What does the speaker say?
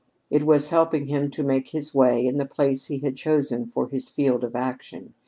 It was helping him to make his way in the place he had chosen for his field of action.